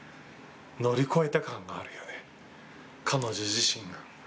乗り越えた感があるよね、彼女自身が。